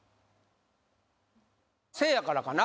せいやからかな？